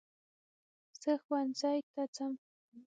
زه ښوونځی ته ځم